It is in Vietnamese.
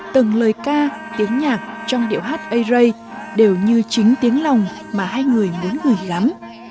từng lời ca tiếng nhạc trong điệu hát ây rây đều như chính tiếng lòng mà hai người muốn gửi gắm